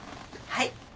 はい。